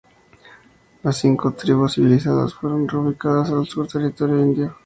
Las Cinco Tribus Civilizadas fueron reubicadas al sur de Territorio Indio.